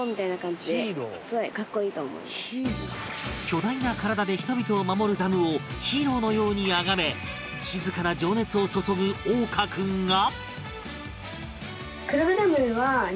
巨大な体で人々を守るダムをヒーローのようにあがめ静かな情熱を注ぐ央果君が